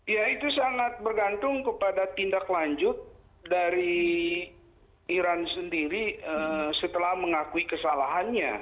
ya itu sangat bergantung kepada tindak lanjut dari iran sendiri setelah mengakui kesalahannya